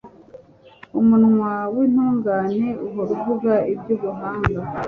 umunwa w'intungane uhora uvuga iby'ubuhanga